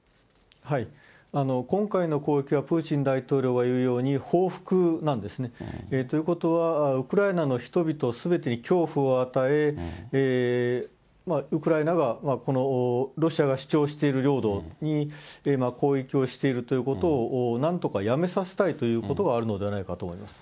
今回の攻撃は、プーチン大統領が言うように、報復なんですね。ということは、ウクライナの人々すべてに恐怖を与え、ウクライナが、ロシアが主張している領土に攻撃をしているということをなんとかやめさせたいということがあるのではないかと思います。